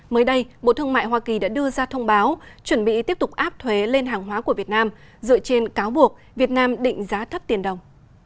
mới đây bộ thương mại hoa kỳ đã đưa ra thông báo chuẩn bị tiếp tục áp thuế lên hàng hóa của việt nam dựa trên cáo buộc việt nam định giá thấp tiền đồng